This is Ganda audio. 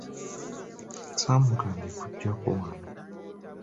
Saamugambye kujjako wano.